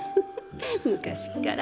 昔っから。